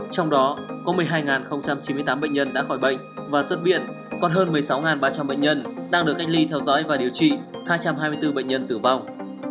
trong đó có một mươi hai chín mươi tám bệnh nhân đã khỏi bệnh và xuất viện còn hơn một mươi sáu ba trăm linh bệnh nhân đang được cách ly theo dõi và điều trị hai trăm hai mươi bốn bệnh nhân tử vong